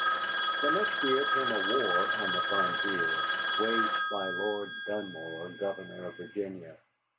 The next year came a war on the Frontier, waged by Lord Dunmore, Governor of Virginia.